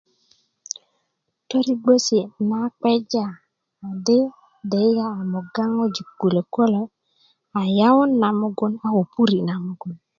toribgokesi na gbeja di deyiye a moga ŋojik kulök kulo a yawut na mogun a ko puri na mogun